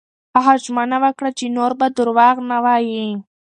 هغه ژمنه وکړه چې نور به درواغ نه وايي.